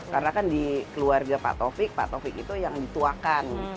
karena kan di keluarga pak tovik pak tovik itu yang dituakan